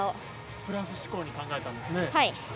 プラス思考に考えたんですね。